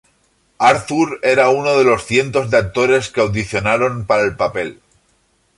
Arthur era uno de los cientos de actores que audicionaron para el papel.